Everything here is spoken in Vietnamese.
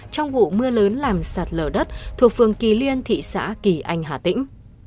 trong vụ mưa lớn làm sạt lở đất thuộc phường kỳ liên thị xã kỳ anh hà tĩnh